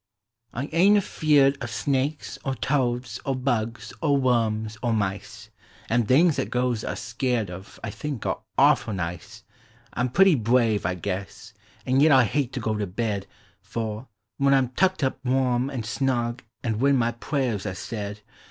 I ain't afeard uv snakes, or toads, or bugs, or worms, or mice. An' things 'at girls me skeered uv I think are awful nice! 1 'in pretty brave, I guess; an' yet I hate to go to bed, For, when I 'm tucked up warm an' snug an' when my prayers are said.